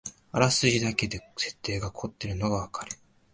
あらすじだけで設定がこってるのがわかる